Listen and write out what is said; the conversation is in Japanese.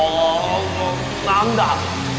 何だ？